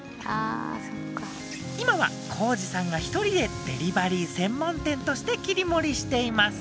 今は幸二さんが１人でデリバリー専門店として切り盛りしています。